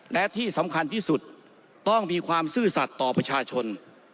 และที่สำคัญที่สุดต้องมีความซื่อสัตว์ต่อประชาชน